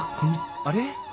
あれ？